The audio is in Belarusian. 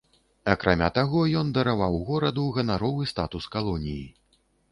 Акрамя таго, ён дараваў гораду ганаровы статус калоніі.